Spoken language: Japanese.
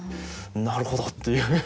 なるほど！っていう。